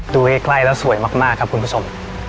ดูใกล้แล้วสวยมากครับคุณผู้ชม